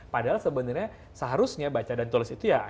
padahal sebenarnya seharusnya baca dan tulis itu ya